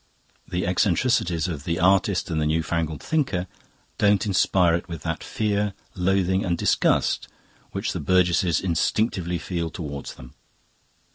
The eccentricities of the artist and the new fangled thinker don't inspire it with that fear, loathing, and disgust which the burgesses instinctively feel towards them.